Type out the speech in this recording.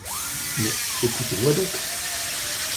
Mais, écoutez-moi donc?